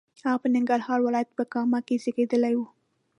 هغه په ننګرهار ولایت په کامه کې زیږېدلی و.